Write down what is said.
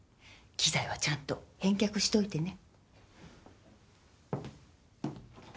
機材はちゃんと返却しておいてね。